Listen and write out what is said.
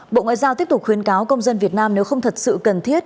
bộ ngoại giao tiếp tục khuyến cáo công dân việt nam nếu không thật sự cần thiết